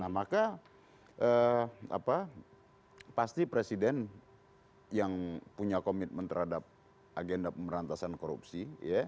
nah maka pasti presiden yang punya komitmen terhadap agenda pemberantasan korupsi